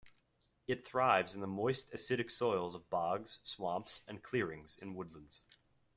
It thrives in the moist, acidic soils of bogs, swamps, and clearings in woodlands.